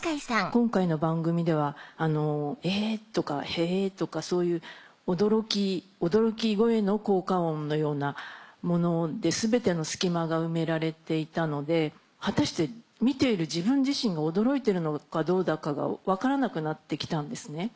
今回の番組では「え」とか「へぇ」とかそういう驚き声の効果音のようなもので全ての隙間が埋められていたので果たして見ている自分自身が驚いてるのかどうだかが分からなくなって来たんですね。